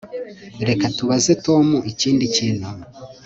Reka tubaze Tom ikindi kintu